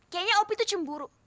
kayaknya opi tuh cemburu